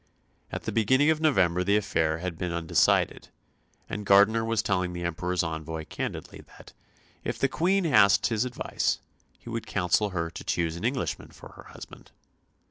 At the beginning of November the affair had been undecided, and Gardiner was telling the Emperor's envoy candidly that, if the Queen asked his advice, he would counsel her to choose an Englishman for her husband.